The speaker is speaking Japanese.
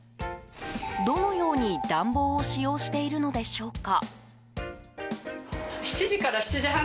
どのように暖房を使用しているのでしょうか？